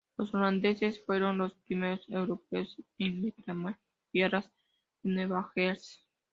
Los holandeses fueron los primeros europeos en reclamar las tierras de Nueva Jersey.